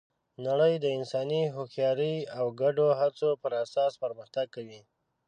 نړۍ د انساني هوښیارۍ او د ګډو هڅو پر اساس پرمختګ کوي.